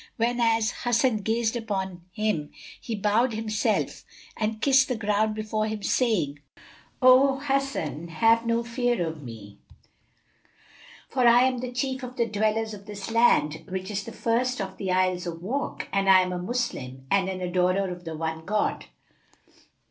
Whenas Hasan gazed upon him he bowed himself and kissed the ground before him, saying, "O Hasan, have no fear of me; for I am the chief of the dwellers in this land, which is the first of the Isles of Wak, and I am a Moslem and an adorer of the One God.